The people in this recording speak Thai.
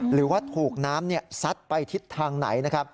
หรือว่าถูกน้ำซัดไปทิศทางไหน